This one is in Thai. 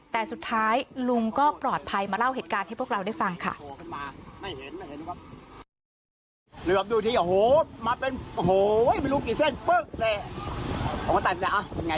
แต่สุดท้ายลุงก็ปลอดภัยมาเล่าเหตุการณ์ให้พวกเราได้ฟังค่ะ